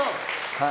はい。